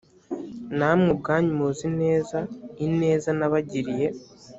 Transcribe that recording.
namwe ubwanyu muzi neza ineza nabagiriye.